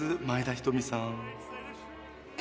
前田瞳さん。